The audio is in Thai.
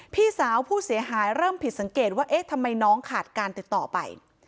พี่สาวผู้เสียหายเริ่มผิดสังเกตว่าเอ๊ะทำไมน้องขาดการติดต่อไป